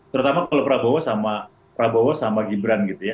terutama kalau prabowo sama prabowo sama gibran gitu ya